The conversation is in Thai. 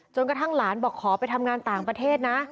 กระทั่งหลานบอกขอไปทำงานต่างประเทศนะ